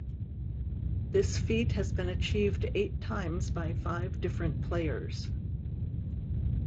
This feat has been achieved eight times by five different players.